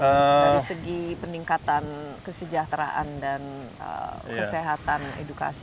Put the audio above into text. dari segi peningkatan kesejahteraan dan kesehatan edukasi